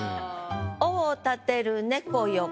「尾を立てる猫よ